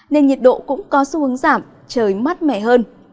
nên nhiệt độ cũng có xu hướng giảm trời mát mẻ hơn